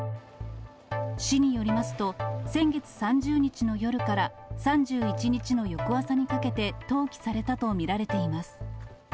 市によりますと、先月３０日の夜から３１日の翌朝にかけて投棄されたと見られています。